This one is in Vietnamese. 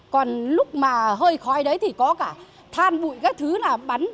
còn lúc mà hơi khói đấy thì có cả than bụi các thứ là bắn